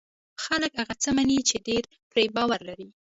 خلک هغه څه مني چې ډېری پرې باور لري.